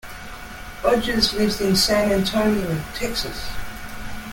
Rogers lives in San Antonio, Texas.